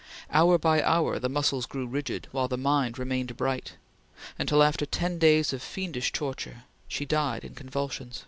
Hour by hour the muscles grew rigid, while the mind remained bright, until after ten days of fiendish torture she died in convulsion.